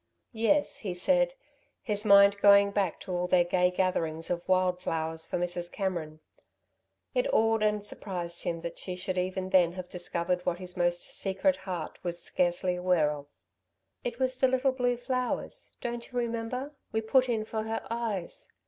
"Yes," he said, his mind going back to all their gay gatherings of wild flowers for Mrs. Cameron. It awed and surprised him that she should even then have discovered what his most secret heart was scarcely aware of. "It was the little blue flowers, don't you remember, we put in for her eyes?"